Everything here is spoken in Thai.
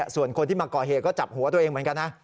ส่วนคนที่มาก่อเหตุก็จับหัวตัวเองเหมือนกันนะ